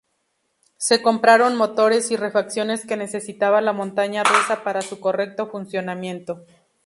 Se compraron motores y refacciones que necesitaba la montaña rusa para su correcto funcionamiento.